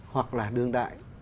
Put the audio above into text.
hoặc là đương đại